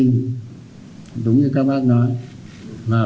đúng như các bác các đồng chí cũng đã quá biết đã nhiều lần nói